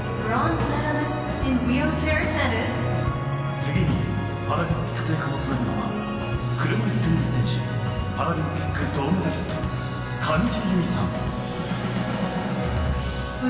次にパラリンピック聖火をつなぐのは車いすテニス選手パラリンピック銅メダリスト上地結衣さん。